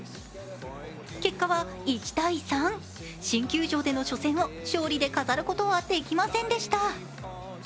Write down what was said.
結果は１−３、新球場での初戦を勝利で飾ることはできませんした。